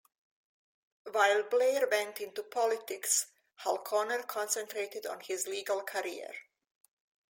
While Blair went into politics, Falconer concentrated on his legal career.